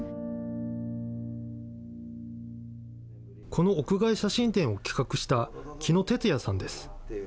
この屋外写真展を企画した木野哲也さんです。